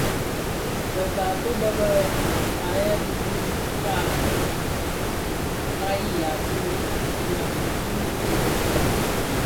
Be taatôh be be mahebe bë ka kabiya bi ilami ki birakoň.